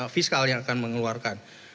fiskalnya akan mengeluarkan